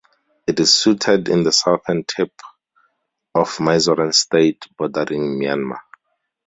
It is situated in the southern tip of Mizoram state bordering Myanmar.